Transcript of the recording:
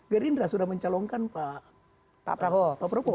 gerindra sudah mencalonkan pak prabowo